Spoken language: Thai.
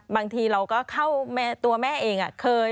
บางทีเราก็เข้าตัวแม่เอง